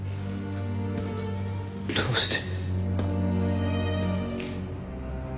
どうして？